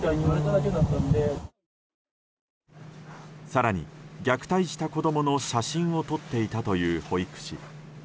更に、虐待した子供の写真を撮っていたという保育士。